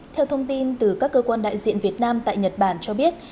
theo thông tin từ các cơ quan đại diện việt nam tại nhật bản cho biết